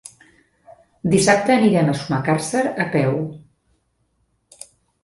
Dissabte anirem a Sumacàrcer a peu.